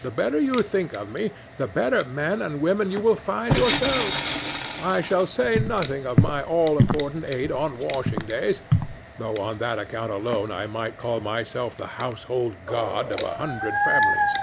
The better you think of me, the better men and women you will find yourselves. I shall say nothing of my all important aid on washing days, though on that account alone I might call myself the household god of a hundred families.